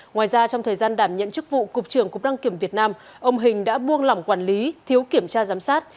ngoài ra trong thời gian đảm nhận chức vụ cục trưởng cục đăng kiểm việt nam ông hình đã buông lỏng quản lý thiếu kiểm tra giám sát